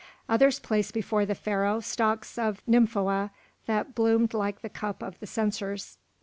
Others placed before the Pharaoh stalks of nymphoea that bloomed like the cup of the censers.